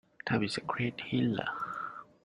Time is a great healer.